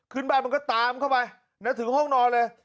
ขึ้นบ้านมันก็ตามเข้าไปถึงห้องนอนเลย